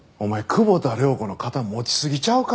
久保田涼子の肩持ちすぎちゃうか？